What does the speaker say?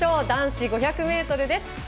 男子５００ｍです。